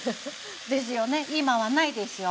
ですよね今はないでしょう？